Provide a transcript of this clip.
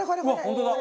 本当だ！